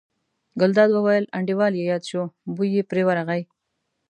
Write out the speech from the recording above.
ګلداد وویل: انډیوال یې یاد شو، بوی یې پرې ورغی.